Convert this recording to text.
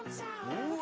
うわ！